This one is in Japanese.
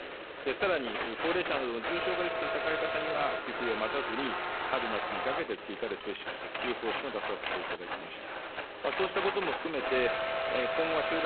さらに高齢者などの重症化リスクの高い方には、秋、冬を待たずに春、夏をかけて方針を出させていただきました。